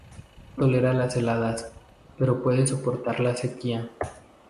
No tolera las heladas, pero puede soportar la sequía.